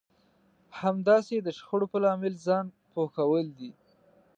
همداسې د شخړې په لامل ځان پوه کول دي.